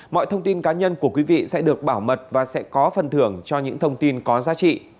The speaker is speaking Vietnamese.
mọi thông tin cá nhân của quý vị sẽ được bảo mật và sẽ có phần thưởng cho những thông tin có giá trị